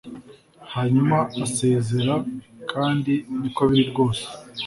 Hanyuma asezera kandi niko biri rwose